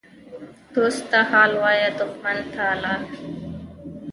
دوست ته حال وایه، دښمن ته لاپې.